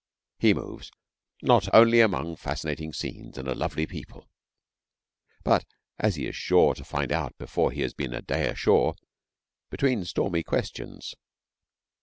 He moves not only among fascinating scenes and a lovely people but, as he is sure to find out before he has been a day ashore, between stormy questions.